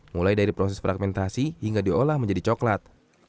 mulai dari proses fragmentasi hingga diolah menjadi coklat